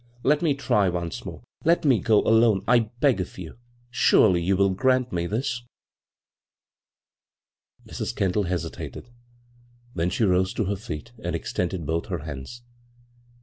Let me try once more. Let me go alone, I beg of you. Surely you will grant me this? " Mrs. Kendall hesitated ; then she rose to her feet and extended both her hands.